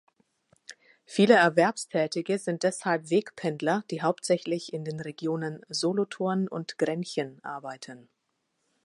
Viele Erwerbstätige sind deshalb Wegpendler, die hauptsächlich in den Regionen Solothurn und Grenchen arbeiten.